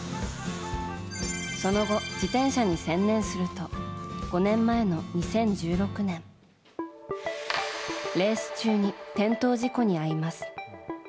その後、自転車に専念すると５年前の２０１６年レース中に転倒事故に遭います。